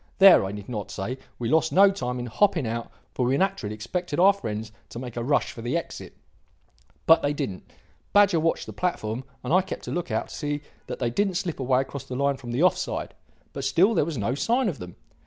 There, I need not say, we lost no time in hopping out, for we naturally expected our friends to make a rush for the exit. But they didn't. Badger watched the platform, and I kept a look out to see that they didn't slip away across the line from the off side. But still there was no sign of them.